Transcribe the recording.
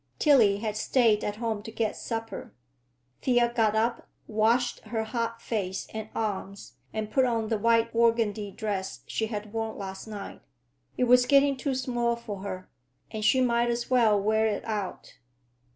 Tillie had stayed at home to get supper. Thea got up, washed her hot face and arms, and put on the white organdie dress she had worn last night; it was getting too small for her, and she might as well wear it out.